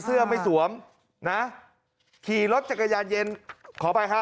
เสื้อไม่สวมนะขี่รถจักรยานยนต์ขออภัยฮะ